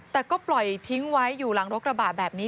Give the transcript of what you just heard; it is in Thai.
แต่ก็ปล่อยทิ้งไว้อยู่หลังรถกระบะแบบนี้